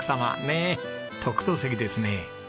ねえ特等席ですね！